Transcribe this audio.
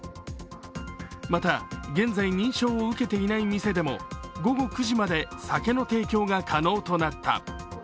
また、現在、認証を受けていない店でも午後９時まで酒の提供が可能となった。